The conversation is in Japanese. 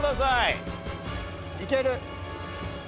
いける！